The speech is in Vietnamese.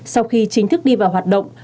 sau khi chính thức đi vào hoạt động